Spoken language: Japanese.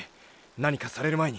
何かされる前に。